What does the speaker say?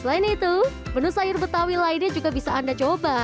selain itu menu sayur betawi lainnya juga bisa anda coba